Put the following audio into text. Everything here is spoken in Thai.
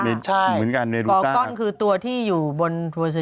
คลอกล้อนคือตัวที่อยู่บนสเช่